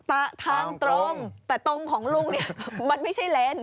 แต่ตรงของลุงมันไม่ใช่เลนต์